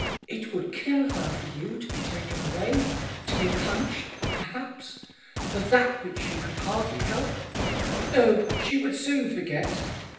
"It would kill her for you to be taken away, to be punished, perhaps, for that which you could hardly help." "No, she would soon forget."